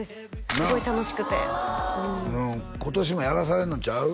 すごい楽しくて今年もやらされんのちゃう？